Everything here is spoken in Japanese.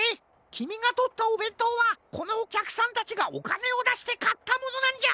きみがとったおべんとうはこのおきゃくさんたちがおかねをだしてかったものなんじゃ。